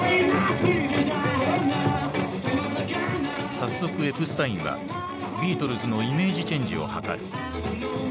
早速エプスタインはビートルズのイメージチェンジを図る。